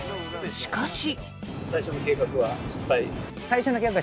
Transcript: しかし。